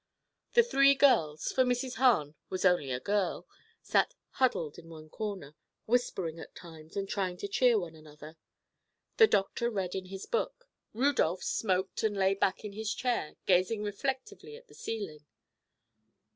The three girls—for Mrs. Hahn was only a girl—sat huddled in one corner, whispering at times and trying to cheer one another. The doctor read in his book. Rudolph smoked and lay back in his chair, gazing reflectively at the ceiling.